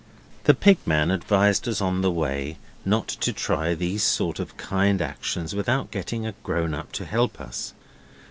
The Pig man advised us on the way not to try these sort of kind actions without getting a grown up to help us.